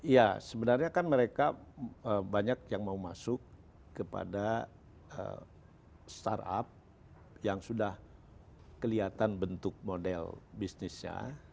ya sebenarnya kan mereka banyak yang mau masuk kepada startup yang sudah kelihatan bentuk model bisnisnya